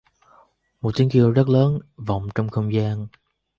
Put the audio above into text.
Một tiếng kêu rất lớn vọng trong không gian